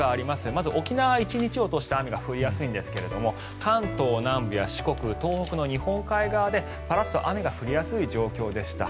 まず、沖縄は１日を通して雨が降りやすいんですが関東南部や四国東北の日本海側でパラッと雨が降りやすい状況でした。